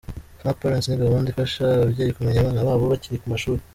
Smart Parents ni gahunda ifasha ababyeyi kumenya abana babo bari ku mashuri.